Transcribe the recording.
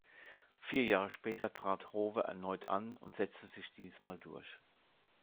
Vier Jahre später trat Howe erneut an und setzte sich diesmal durch.